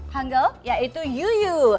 hang gu yaitu yu yu